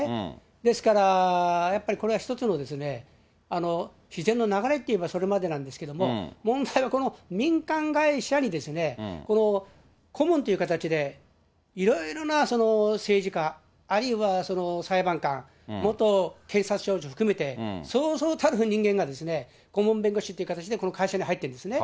ですからやっぱりこれは一つの自然の流れといえばそれまでなんですけども、問題はこの民間会社に、この顧問という形で、いろいろな政治家、あるいはその裁判官、元警察署長含めて、そうそうたる人間が顧問弁護士という形でこの会社に入ってるんですね。